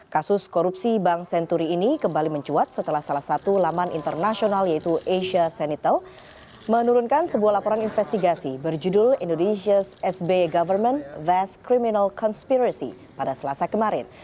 kasus korupsi bank senturi ini kembali mencuat setelah salah satu laman internasional yaitu asia senital menurunkan sebuah laporan investigasi berjudul indonesias ⁇ sby government fast criminal conspiracy pada selasa kemarin